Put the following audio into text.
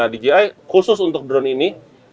nah dji khusus untuk drone ini